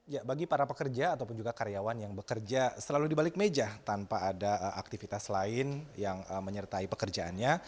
ya bagi para pekerja ataupun juga karyawan yang bekerja selalu di balik meja tanpa ada aktivitas lain yang menyertai pekerjaannya